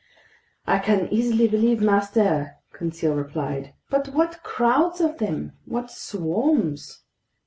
"I can easily believe master," Conseil replied. "But what crowds of them! What swarms!"